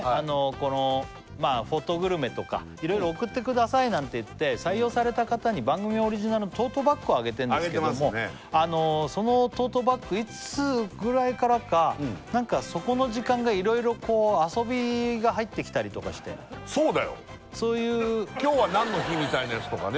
このフォトグルメとかいろいろ送ってくださいなんて言って採用された方に番組オリジナルのトートバッグをあげてんですけどもそのトートバッグいつぐらいからか何かそこの時間がいろいろ遊びが入ってきたりとかしてそうだよ